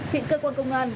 hiện cơ quan công an